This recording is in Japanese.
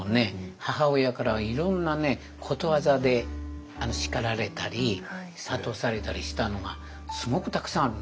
母親からはいろんなねことわざで叱られたり諭されたりしたのがすごくたくさんあるの。